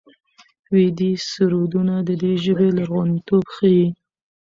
ویدي سرودونه د دې ژبې لرغونتوب ښيي.